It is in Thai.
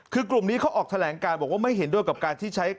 คือกลุ่มนี้เขาออกแถลงการบอกว่าไม่เห็นด้วยกับการที่ใช้